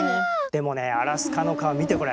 でもねアラスカの蚊見てこれ。